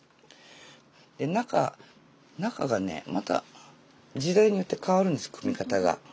で中がねまた時代によって変わるんです組み方が。